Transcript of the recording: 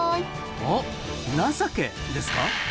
あ「なさけ」ですか？